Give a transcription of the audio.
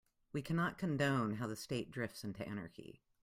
We cannot condone how the state drifts into anarchy.